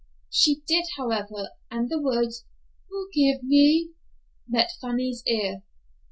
She did, however, and the word "forgive" met Fanny's ear.